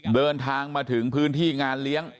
เดินทางมาถึงพื้นที่งานเลี้ยง